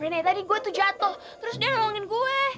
rene tadi gue tuh jatuh terus dia nolongin gue